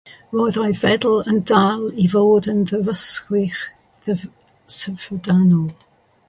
Roedd ei feddwl yn dal i fod yn ddyryswch syfrdanol.